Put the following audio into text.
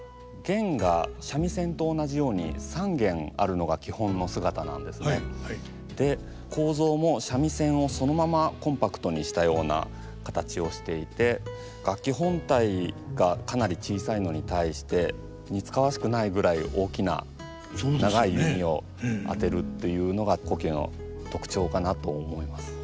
よく間違えられやすいんですが構造も三味線をそのままコンパクトにしたような形をしていて楽器本体がかなり小さいのに対して似つかわしくないぐらい大きな長い弓を当てるというのが胡弓の特徴かなと思います。